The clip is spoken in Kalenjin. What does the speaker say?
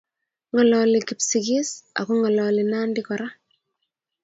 Ng'alali Kipsigis, ako ng'alali Nandi kora.